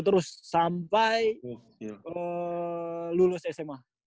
terus sampai lulus sma